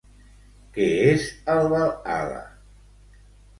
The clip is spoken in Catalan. Què és el Valhalla?